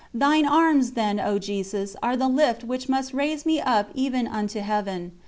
Thine Arms, then, O Jesus, are the lift which must raise me up even unto Heaven.